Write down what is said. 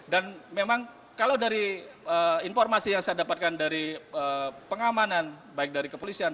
dan memang kalau dari informasi yang saya dapatkan dari pengamanan baik dari kepolisian